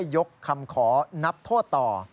ยกคำขอนับโทษต่อ